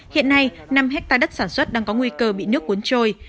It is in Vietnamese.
hiện nay năm hectare đất sản xuất đang có nguy cơ bị nước cuốn trôi